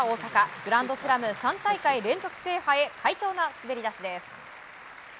グランドスラム３大会連続制覇へ快調な滑り出しです。